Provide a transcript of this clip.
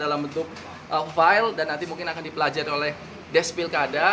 dalam bentuk file dan nanti mungkin akan dipelajari oleh des pilkada